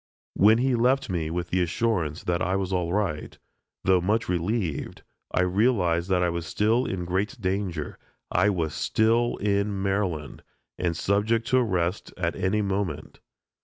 When he left me with the assurance that I was all right, though much relieved, I realized that I was still in great danger: I was still in Maryland, and subject to arrest at any moment.